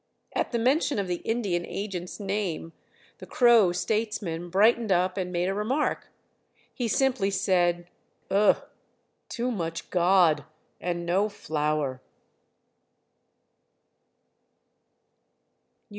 At the mention of the Indian agent's name, the Crow statesman brightened up and made a remark. He simply said: "Ugh! too much God and no flour."